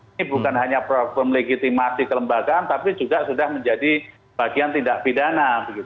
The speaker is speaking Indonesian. ini bukan hanya problem legitimasi kelembagaan tapi juga sudah menjadi bagian tindak pidana